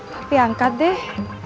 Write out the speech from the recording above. tapi angkat deh